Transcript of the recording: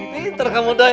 pinter kamu doi